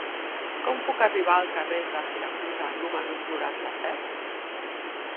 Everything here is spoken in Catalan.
Com puc arribar al carrer de Siracusa número noranta-set?